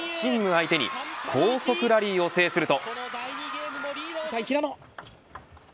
相手に高速ラリーを制すると。